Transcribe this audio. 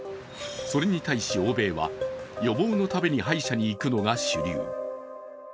それに対し欧米は予防のために歯医者に行くのが主流。